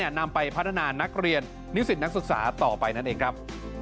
นำไปพัฒนานักเรียนนิสิตนักศึกษาต่อไปนั่นเองครับ